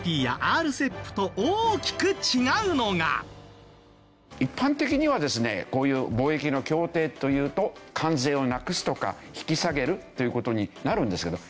さらに一般的にはですねこういう貿易の協定というと関税をなくすとか引き下げるという事になるんですけど